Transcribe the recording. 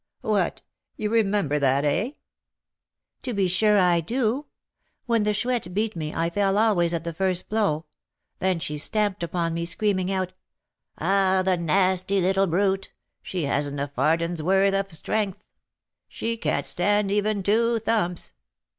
"What! you remember that, eh?" "To be sure I do. When the Chouette beat me I fell always at the first blow; then she stamped upon me, screaming out, 'Ah, the nasty little brute! she hasn't a farden's worth of strength, she can't stand even two thumps!'